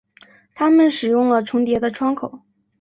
他们使用了重叠的窗口。